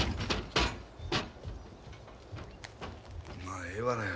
まあええわらよ。